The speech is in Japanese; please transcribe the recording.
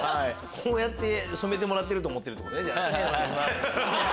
こうやって染めてると思ってるってことね。